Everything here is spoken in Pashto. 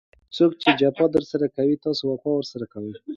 څوک چي جفا درسره کوي؛ تاسي وفا ورسره کوئ!